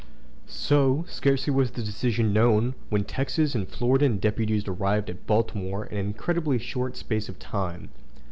So, scarcely was the decision known, when the Texan and Floridan deputies arrived at Baltimore in an incredibly short space of time.